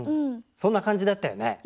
そんな感じだったよね。